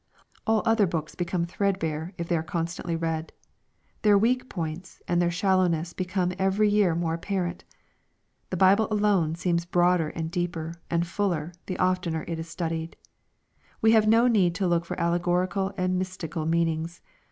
All other books become threadbare, if they are constantly read. Their weak points, and their shallowness become every year more apparent. The Bible alone seems broader, and deeper, and fuller, the oftener it is studied. We have no need to look for allegorical and mystical meanings.